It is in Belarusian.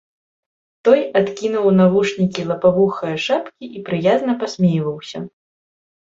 Той адкінуў навушнікі лапавухае шапкі і прыязна пасмейваўся.